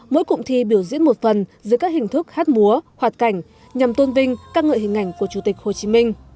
mỗi cụm thi biểu diễn một phần dưới các hình thức hát múa hoạt cảnh nhằm tôn vinh các ngợi hình ảnh của chủ tịch hồ chí minh